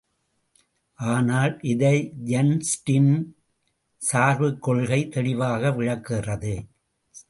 ஆனால், இதை ஐன்ஸ்டின் சார்புக் கொள்கை தெளிவாக விளக்குகிறது.